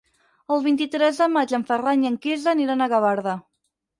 El vint-i-tres de maig en Ferran i en Quirze aniran a Gavarda.